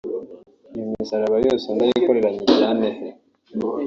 “iyo misaraba yose ndayikorera nyijyane he